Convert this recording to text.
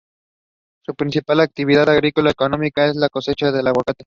Su principal actividad agrícola económica es la cosecha de Aguacate.